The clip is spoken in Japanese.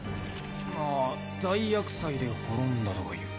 ああ大厄災で滅んだとかいう。